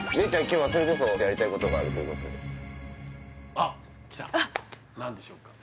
今日はそれこそやりたいことがあるということであきた何でしょうか？